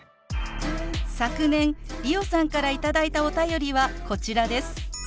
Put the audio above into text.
昨年理央さんから頂いたお便りはこちらです。